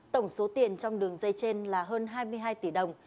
tổng số tiền trong đường dây trên là hơn hai mươi hai tỷ đồng